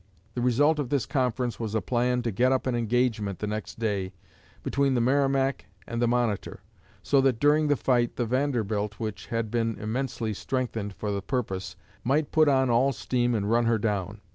The result of this conference was a plan to get up an engagement the next day between the 'Merrimac' and the 'Monitor,' so that during the fight the 'Vanderbilt,' which had been immensely strengthened for the purpose, might put on all steam and run her down.